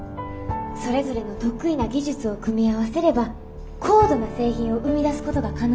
それぞれの得意な技術を組み合わせれば高度な製品を生み出すことが可能です。